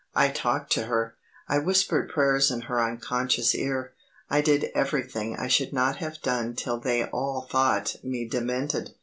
I talked to her, I whispered prayers in her unconscious ear. I did everything I should not have done till they all thought me demented.